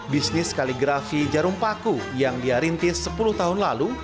bisnis kaligrafi jarum paku yang dia rintis sepuluh tahun lalu